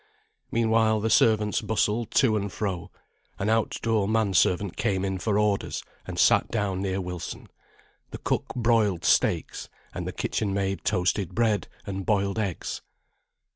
Meanwhile, the servants bustled to and fro; an out door man servant came in for orders, and sat down near Wilson; the cook broiled steaks, and the kitchen maid toasted bread, and boiled eggs.